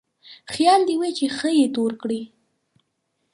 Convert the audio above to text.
خيال دې وي چې ښه يې تور کړې.